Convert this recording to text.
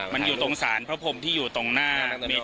มันอยู่ตรงสารพระพรมที่อยู่ตรงหน้าเมน